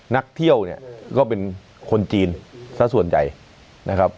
นักเที่ยวเนี่ยก็เป็นคนจีนซะส่วนใหญ่นะครับ